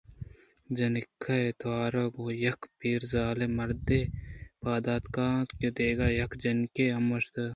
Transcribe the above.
جنک ءِ توار ءَ گوں یک پیر زال ءُمردے پاد اتک اَنت ءُدگہ یک جنکے ہم اوشتات